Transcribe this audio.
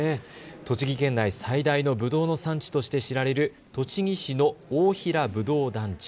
栃木県内最大のぶどうの産地として知られる栃木市の大平ぶどう団地。